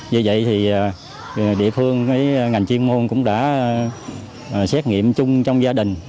vì vậy thì địa phương ngành chuyên môn cũng đã xét nghiệm chung trong gia đình